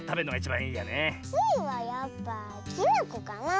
スイはやっぱきなこかなあ。